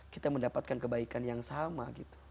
kita mendapatkan kebaikan yang sama gitu